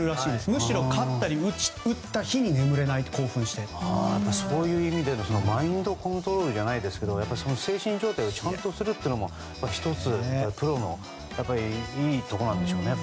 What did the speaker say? むしろ打った日や勝った日にそういう意味でマインドコントロールじゃないですけど精神状態をちゃんとするというのもプロのいいところなんでしょうね。